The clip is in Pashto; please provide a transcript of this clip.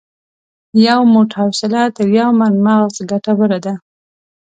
یو موټ حوصله تر یو من مغز ګټوره ده.